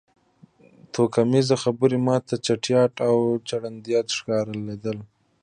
توکمیزې خبرې ما ته چټیات او چرندیات ښکارېدل